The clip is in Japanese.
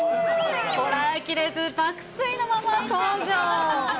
こらえきれず、爆睡のまま登場。